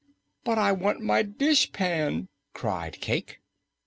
"But I want my dishpan!" cried Cayke.